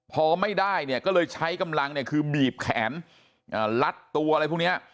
พอไม่ได้เนี่ยก็เลยใช้กำลังเนี่ยคือบีบแขนลัดตัวอะไรพวกนี้